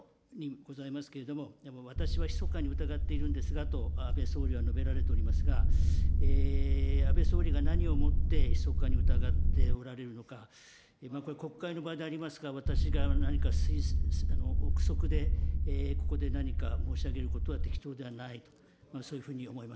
この資料にございますけれども、私はひそかに疑っているんですがと、安倍総理は述べられておりますが、安倍総理が何をもってひそかに疑っておられるのか、これ、国会の場でありますが、私が何か臆測でここで何か申し上げることは適当ではないと、そういうふうに思います。